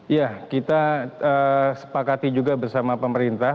ya kita sepakati juga bersama pemerintah